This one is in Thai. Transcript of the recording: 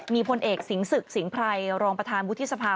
มีพลเอกสิงศึกสิงห์ไพรรองประธานวุฒิสภา